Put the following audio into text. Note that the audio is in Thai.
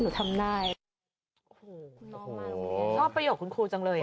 โอ้โฮชอบประโยคคุณครูจังเลย